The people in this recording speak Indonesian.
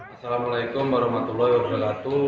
assalamualaikum warahmatullahi wabarakatuh